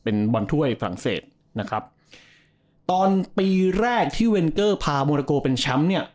เป็นบอลถ้วยฝรั่งเศสนะครับตอนปีแรกที่เวนเกอร์พาโมนาโกเป็นแชมป์เนี่ย